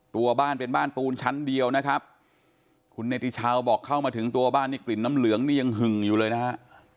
ตัวบ้านเป็นบ้านปูนชั้นเดียวนะครับคุณเนติชาวบอกเข้ามาถึงตัวบ้านนี่กลิ่นน้ำเหลืองนี่ยังหึ่งอยู่เลยนะฮะ